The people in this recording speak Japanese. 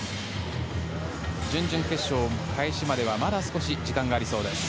準々決勝開始まではまだ少し時間がありそうです。